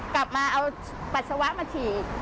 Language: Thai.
กลับมาเอาปัสสาวะมาฉีก